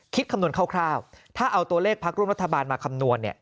คำนวณคร่าวถ้าเอาตัวเลขพักร่วมรัฐบาลมาคำนวณเนี่ย